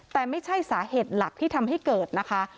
แต่ไม่ใช่สาเหตุหลักที่ทำให้เกิดนะคะ